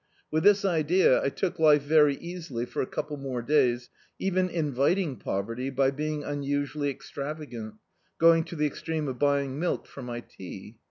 With this idea I took life very easily for a couple more da)^ even inviting poverty by being unusually extravagant, going to the extreme of buying milk for my tea.